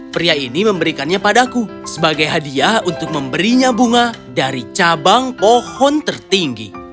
pria ini memberikannya padaku sebagai hadiah untuk memberinya bunga dari cabang pohon tertinggi